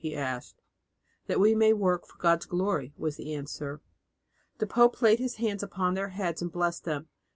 he asked. "That we may work for God's glory," was the answer. The pope laid his hands upon their heads and blessed them.